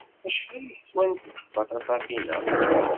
Acḥal i swant tbaṭaṭatin-a?